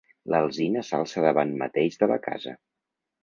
L'alzina s'alça davant mateix de la casa.